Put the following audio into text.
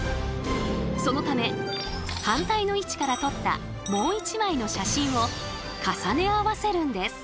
そのため反対の位置から撮ったもう一枚の写真を重ね合わせるんです。